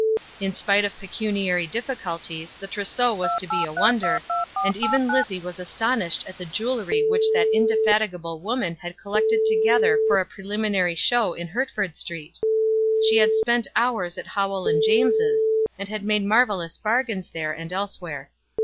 In spite of pecuniary difficulties the trousseau was to be a wonder; and even Lizzie was astonished at the jewellery which that indefatigable woman had collected together for a preliminary show in Hertford Street. She had spent hours at Howell and James's, and had made marvellous bargains there and elsewhere.